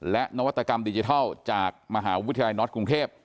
และนวัตกรรมดิจิทัลจากมหาวิทยาลัยน็อตกรุงเทพ